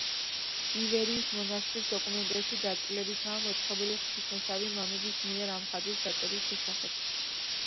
ივერიის მონასტრის დოკუმენტებში დაწვრილებითაა მოთხრობილი ღვთისმოსავი მამების მიერ ამ ხატის დაწერის შესახებ.